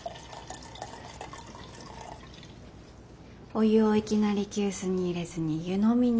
お湯をいきなり急須に入れずに湯飲みに注ぐ。